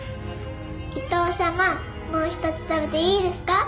伊藤様もう一つ食べていいですか？